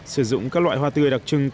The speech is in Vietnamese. sử dụng các loại hoa tươi đặc trưng